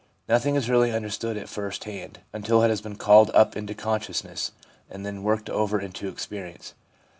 Nothing is really understood at first hand until it has been called up into consciousness, and then worked over into experi ence.